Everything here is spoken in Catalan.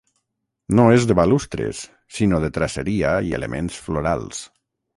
No és de balustres sinó de traceria i elements florals.